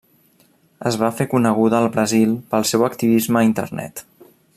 Es va fer coneguda al Brasil pel seu activisme a Internet.